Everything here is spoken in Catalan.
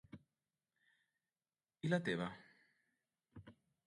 I la teva.?